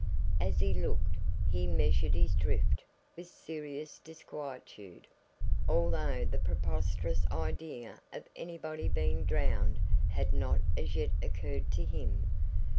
As he looked, he measured his drift with serious disquietude, although the preposterous idea of anybody being drowned had not as yet occurred to him.